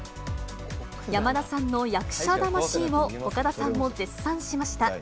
山田さんの役者魂を、岡田さんも絶賛しました。